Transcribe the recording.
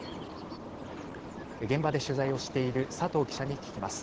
現場で取材をしている佐藤記者に聞きます。